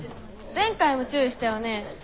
前回も注意したよね。